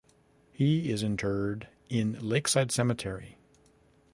He is interred in Lakeside Cemetery.